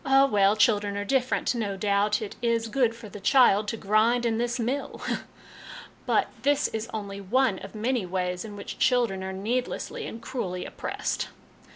'Oh, well children are different; no doubt it is good for the child to grind in this mill !' But this is only one of many ways in which children are needlessly and cruelly oppressed